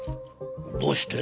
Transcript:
どうして？